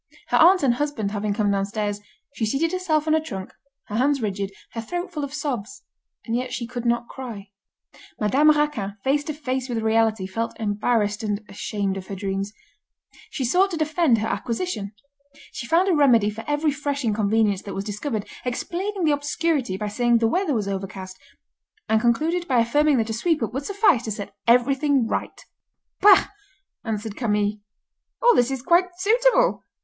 Her aunt and husband having come downstairs, she seated herself on a trunk, her hands rigid, her throat full of sobs, and yet she could not cry. Madame Raquin, face to face with reality, felt embarrassed, and ashamed of her dreams. She sought to defend her acquisition. She found a remedy for every fresh inconvenience that was discovered, explaining the obscurity by saying the weather was overcast, and concluded by affirming that a sweep up would suffice to set everything right. "Bah!" answered Camille, "all this is quite suitable.